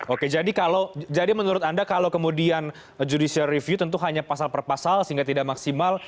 oke jadi menurut anda kalau kemudian judicial review tentu hanya pasal per pasal sehingga tidak maksimal